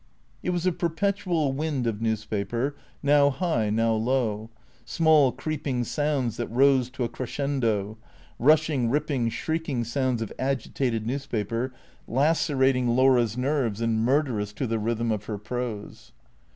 It was a perpetual wind of newspaper, now high, now low; small, creeping sounds that rose to a crescendo; rushing, rip ping, shrieking sounds of agitated newspaper, lacerating Laura's nerves, and murderous to the rhythm of her prose.